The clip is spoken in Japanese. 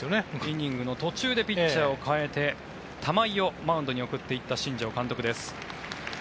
イニングの途中でピッチャーを代えて玉井をマウンドに送っていった新庄監督です。